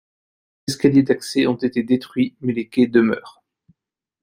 Les escaliers d'accès ont été détruits mais les quais demeurent.